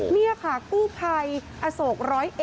นี่ค่ะกู้ภัยอโศก๑๐๑